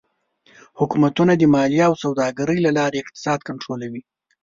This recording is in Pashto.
حکومتونه د مالیې او سوداګرۍ له لارې اقتصاد کنټرولوي.